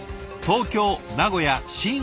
東京名古屋新